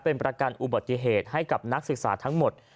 เป็นประกันอุบัติเหตุให้กับนักศึกษาทั้งหมด